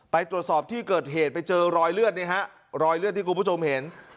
ไปตรวจสอบที่เกิดเหตุไปเจอรอยเลือดนี่ฮะรอยเลือดที่คุณผู้ชมเห็น